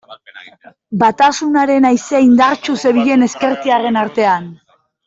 Batasunaren haizea indartsu zebilen ezkertiarren artean.